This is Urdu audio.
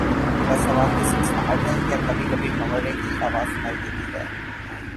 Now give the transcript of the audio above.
بس ہوا کی سنسناہٹ ہے یا کبھی کبھی بھنورے کی آواز سنائی دیتی